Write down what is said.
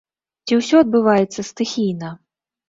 Ці ўсё адбываецца стыхійна?